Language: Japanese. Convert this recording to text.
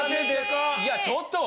いやちょっと！